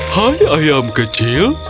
hai ayam kecil